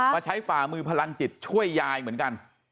มาใช้ฝ่ามือพลังจิตช่วยยายเหมือนกัน